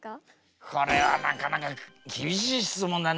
これはなかなか厳しい質問だね